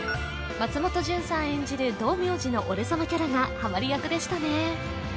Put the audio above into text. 松本潤さん演じる道明寺の俺様キャラがハマり役でしたね